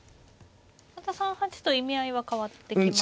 また３八と意味合いは変わってきますか。